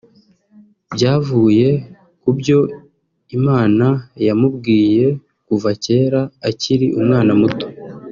byavuye ku byo Imana yamubwiye kuva kera akiri umwana muto